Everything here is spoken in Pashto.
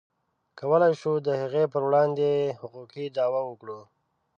کولی شو د هغې پر وړاندې حقوقي دعوه وکړو.